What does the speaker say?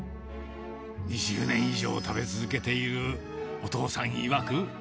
２０年以上食べ続けているお父さんいわく。